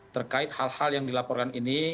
terkait hal hal yang dilaporkan ini